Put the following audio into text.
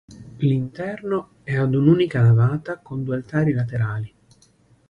L'interno è ad un'unica navata con due altari laterali.